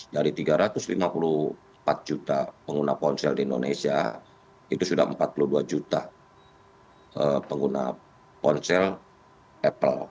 dari tiga ratus lima puluh empat juta pengguna ponsel di indonesia itu sudah empat puluh dua juta pengguna ponsel apple